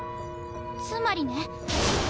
つまりね。